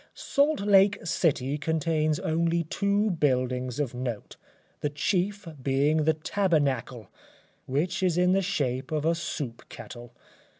Salt Lake City contains only two buildings of note, the chief being the Tabernacle, which is in the shape of a soup kettle.